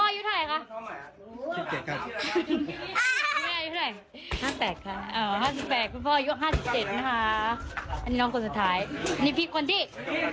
ไอ้เนี่ยพ่อนี้ไงค่ะ